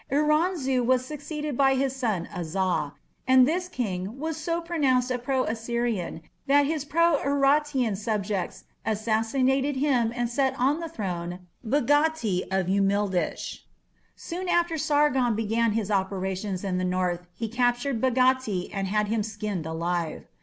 Iranzu was succeeded by his son Aza, and this king was so pronounced a pro Assyrian that his pro Urartian subjects assassinated him and set on the throne Bagdatti of Umildish. Soon after Sargon began his operations in the north he captured Bagdatti and had him skinned alive.